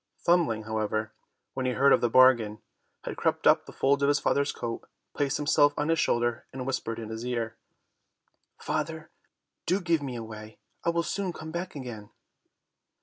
Thumbling, however, when he heard of the bargain, had crept up the folds of his father's coat, placed himself on his shoulder, and whispered in his ear, "Father do give me away, I will soon come back again."